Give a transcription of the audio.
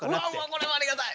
これはありがたい！